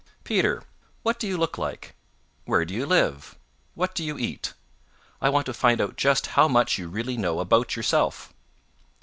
Peter, what do you look like? Where do you live? What do you eat? I want to find out just how much you really know about yourself."